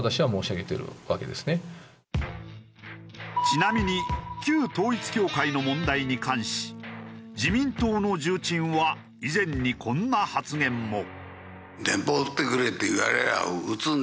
ちなみに旧統一教会の問題に関し自民党の重鎮は以前にこんな発言も。